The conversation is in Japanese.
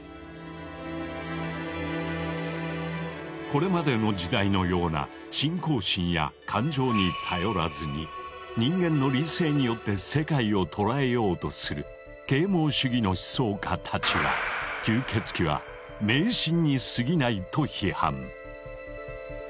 これまでの時代のような信仰心や感情に頼らずに人間の理性によって世界を捉えようとする啓蒙主義の思想家たちは吸血鬼は迷信にすぎないと批判。